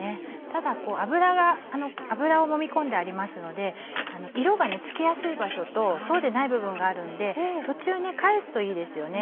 ただ油をもみ込んでありますので色がつきやすい場所とそうでない部分があるんで途中返すといいですよね